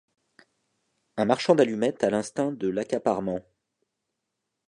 Un marchand d’allumettes a l’instinct de l’accaparement.